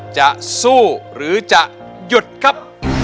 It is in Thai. จะสู้หรือจะหยุดครับ